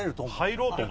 入ろうと。